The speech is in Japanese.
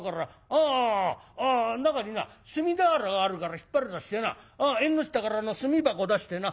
あああ中にな炭俵があるから引っ張り出してな縁の下から炭箱出してな